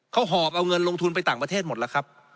เขาหอบเอาเงินลงทุนไปต่างประเทศหมดแล้วครับ